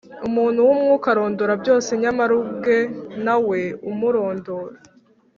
umuntu w'umwuka arondora byose, nyamara ubwe ntawe umurondora.